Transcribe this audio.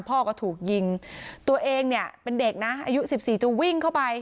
พ่อก็ถูกยิงตัวเองเนี่ยเป็นเด็กนะอายุสิบสี่จะวิ่งเข้าไป